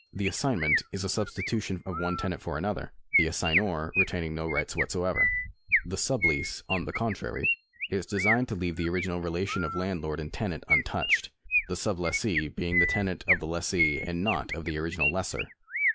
The assignment is a substitution of one tenant for another, the assignor retaining no rights whatever. The sub lease, on the con trary, is designed to leave the original relation of landlord and tenant untouched, the sub lessee being the tenant of the lessee and not of the original lessor.